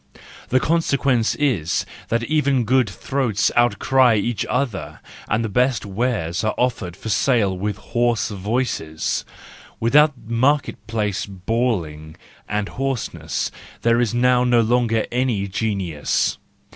The consequence is that even good throats outcry each other, and the best wares are offered for sale with hoarse voices; without market place bawling and hoarseness there is now no longer any genius.